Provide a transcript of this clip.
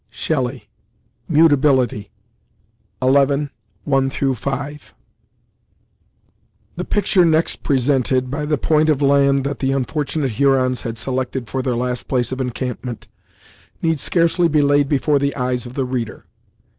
Shelley, "Mutability," II. i v. The picture next presented, by the point of land that the unfortunate Hurons had selected for their last place of encampment, need scarcely be laid before the eyes of the reader.